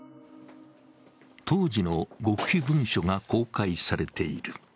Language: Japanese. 当時の極秘文書が公開されている。